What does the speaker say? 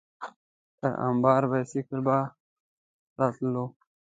پر امبر بایسکل به راتللو.